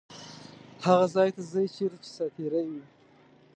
هغه ځای ته ځي چیرته چې ساعتېرۍ وي.